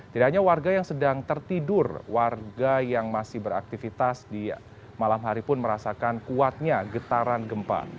tidak hanya warga yang sedang tertidur warga yang masih beraktivitas di malam hari pun merasakan kuatnya getaran gempa